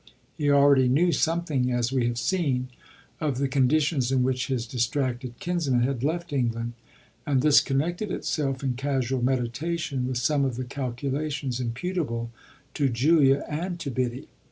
He already knew something, as we have seen, of the conditions in which his distracted kinsman had left England; and this connected itself, in casual meditation, with some of the calculations imputable to Julia and to Biddy.